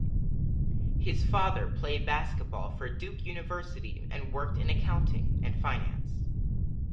His father played basketball for Duke University and worked in accounting and finance.